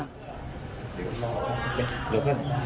เดี๋ยวออก